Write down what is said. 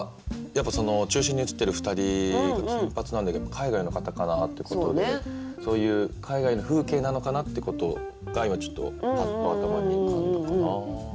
中心に写ってる２人が金髪なんだけど海外の方かなっていうことでそういう海外の風景なのかなってことが今パッと頭に浮かんだかな。